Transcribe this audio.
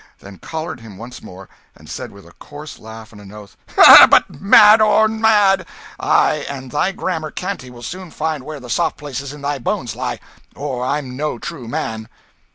then collared him once more, and said with a coarse laugh and an oath, "But mad or no mad, I and thy Gammer Canty will soon find where the soft places in thy bones lie, or I'm no true man!"